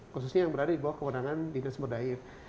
khususnya yang berada di bawah kewenangan dinas berdaya